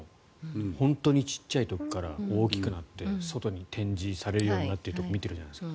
本当に小っちゃい時から大きくなって外に展示されるようになってって見てるじゃないですか。